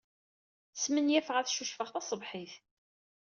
Smenyafeɣ ad ccucfeɣ taṣebḥit.